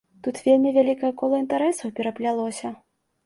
Тут вельмі вялікае кола інтарэсаў пераплялося.